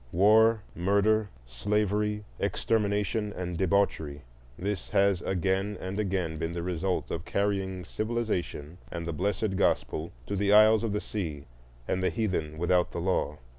War, murder, slavery, extermination, and debauchery,—this has again and again been the result of carrying civilization and the blessed gospel to the isles of the sea and the heathen without the law.